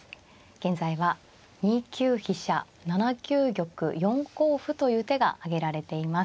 現在は２九飛車７九玉４五歩という手が挙げられています。